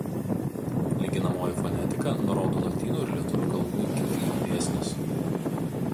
Lyginamoji fonetika nurodo lotynų ir lietuvių kalbų kitimo dėsnius.